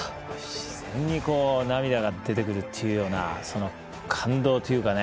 自然に涙が出てくるというような感動というかね。